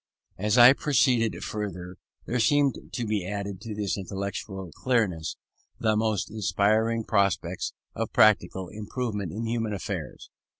As I proceeded further, there seemed to be added to this intellectual clearness, the most inspiring prospects of practical improvement in human affairs.